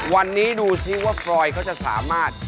วันนี้ดูซิว่าพลอยเขาจะสามารถ